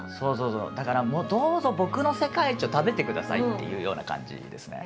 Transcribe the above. だからどうぞ僕の世界一を食べてくださいっていうような感じですね